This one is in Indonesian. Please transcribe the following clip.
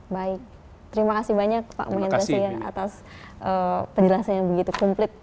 baik terima kasih banyak pak mohendra setian atas penjelasan yang begitu komplit